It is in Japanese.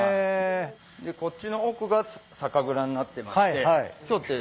でこっちの奥が酒蔵になってまして。